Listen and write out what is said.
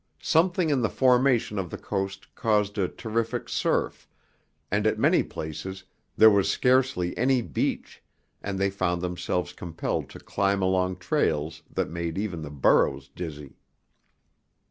Something in the formation of the coast caused a terrific surf, and at many places there was scarcely any beach, and they found themselves compelled to climb along trails that made even the burros dizzy.